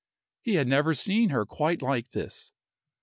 He had never seen her quite like this.